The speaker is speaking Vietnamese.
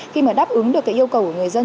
khi mà đáp ứng được cái yêu cầu của người dân